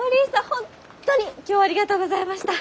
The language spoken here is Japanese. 本当に今日はありがとうございました！